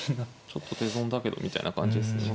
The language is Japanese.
ちょっと手損だけどみたいな感じですね。